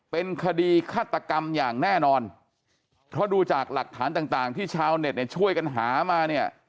เป็นคดีฆาตกรรมอย่างแน่นอนเพราะดูจากหลักฐานต่างต่างที่ชาวเน็ตเนี่ยช่วยกันหามาเนี่ย